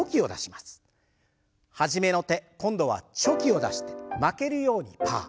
初めの手今度はチョキを出して負けるようにパー。